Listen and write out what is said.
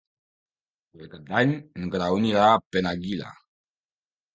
Per Cap d'Any en Grau anirà a Penàguila.